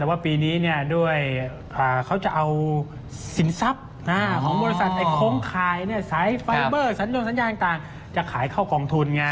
แต่ว่าปีนี้ด้วยเขาจะเอาสินทรัพย์ของบริษัทไฟเบอร์สัญญาณต่างจะขายเข้ากล่องทุน